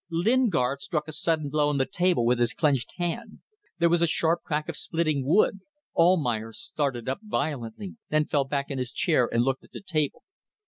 Lingard struck a sudden blow on the table with his clenched hand. There was a sharp crack of splitting wood. Almayer started up violently, then fell back in his chair and looked at the table.